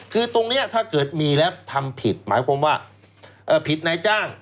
คือตรงนี้ถ้าเกิดมีแล้วทำผิดหมายความว่าผิดนายจ้าง